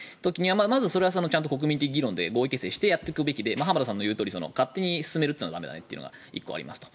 それはちゃんと国民的議論で合意形成していくべきで浜田さんの言うとおり勝手に進めるのは駄目だねというのが１個ありますと。